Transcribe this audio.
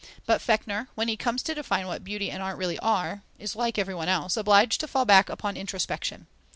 But Fechner, when he comes to define what beauty and what art really are, is, like everyone else, obliged to fall back upon introspection.